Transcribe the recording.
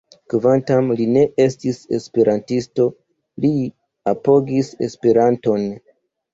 Kvankam li ne estis esperantisto, li apogis Esperanton.